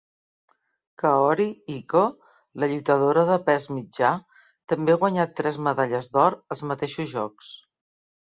Kaori Icho, la lluitadora de pes mitjà, també ha guanyat tres medalles d'or als mateixos jocs.